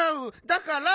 だから。